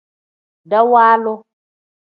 Dawaalu.